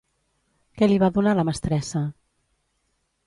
Què li va donar la mestressa?